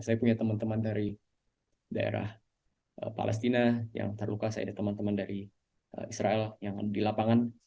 saya punya teman teman dari daerah palestina yang terluka saya ada teman teman dari israel yang di lapangan